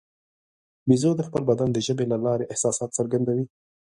بیزو د خپل بدن د ژبې له لارې احساسات څرګندوي.